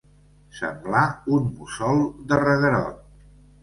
Semblar un mussol de reguerot.